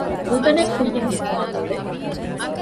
ގުދަނެއް ކުއްޔަށް ހިފުމާ ގުޅޭ